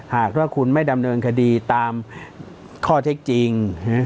หากว่าคุณไม่ดำเนินคดีตามข้อเท็จจริง